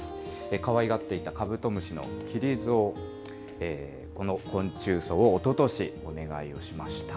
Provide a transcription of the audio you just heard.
かわいがっていたカブトムシのきりぞう、この昆虫葬を、おととしお願いをしました。